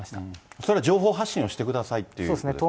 それは情報発信をしてくださいということですか。